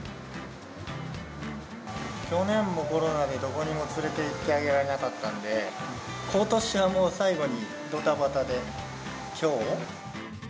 去年もコロナでどこにも連れていってあげられなかったんで、ことしはもう、最後にどたばたできょう。